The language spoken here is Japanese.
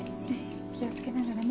気を付けながらね。